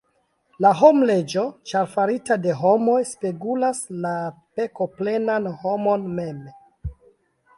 La homleĝo, ĉar farita de homoj, spegulas la pekoplenan homon mem.